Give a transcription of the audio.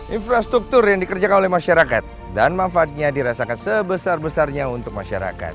infrastruktur yang dikerjakan oleh masyarakat dan manfaatnya dirasakan sebesar besarnya untuk masyarakat